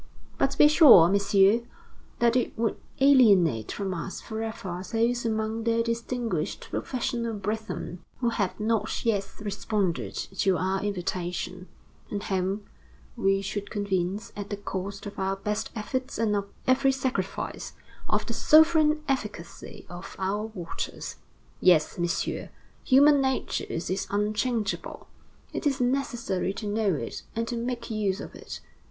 But be sure, Messieurs, that it would alienate from us forever those among their distinguished professional brethren who have not yet responded to our invitation, and whom we should convince, at the cost of our best efforts and of every sacrifice, of the sovereign efficacy of our waters. Yes, Messieurs, human nature is unchangeable; it is necessary to know it and to make use of it.